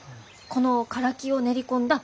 このカラキを練り込んだ